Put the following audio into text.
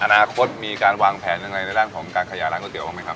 อนาคตมีการวางแผนอย่างไรในร่างของการขยายร้านก๋วยเตี๋ยวบ้างมั้ยครับ